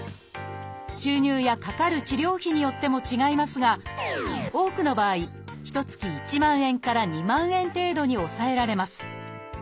収入やかかる治療費によっても違いますが多くの場合ひと月１万円から２万円程度に抑えられます。